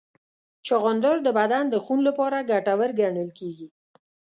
چغندر د بدن د خون لپاره ګټور ګڼل کېږي.